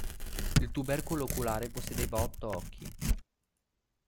Il tubercolo oculare possedeva otto occhi.